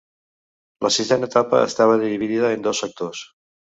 La sisena etapa estava dividida en dos sectors.